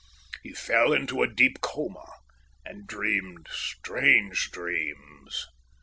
He fell into a deep coma, and dreamed strange dreams.